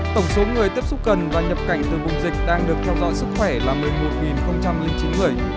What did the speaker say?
tổng số người tiếp xúc gần và nhập cảnh từ vùng dịch đang được theo dõi sức khỏe là một mươi một chín người